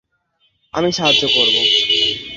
আমি সাহায্য করবো?